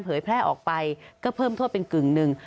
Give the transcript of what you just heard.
เผยแพร่ออกไปก็เพิ่มทวดเป็นกึ่งนึง